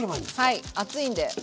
はい暑いんで。